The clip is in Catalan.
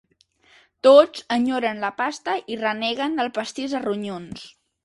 Tots enyoren la pasta i reneguen del pastís de ronyons.